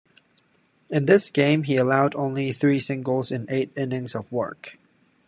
In this game, he allowed only three singles in eight innings of work.